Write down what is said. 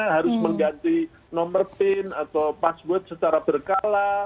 harus mengganti nomor pin atau password secara berkala